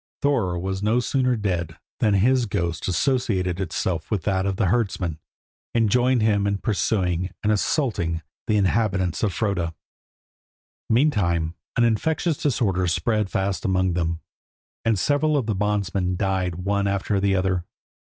Thorer was no sooner dead than his ghost associated itself to that of the herdsman, and joined him in pursuing and assaulting the inhabitants of Froda. Meantime an infectious disorder spread fast among them, and several of the bondsmen died one after the other.